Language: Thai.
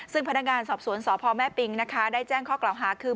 ซึ่งพนักงานสอบสวนสพแม่ปิงนะคะได้แจ้งข้อกล่าวหาคือ